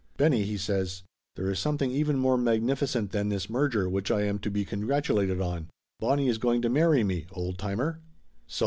"Benny!" he says. "There is something even more magnificent than this merger which I am to be con gratulated on. Bonnie is going to marry me, old timer!" "So?"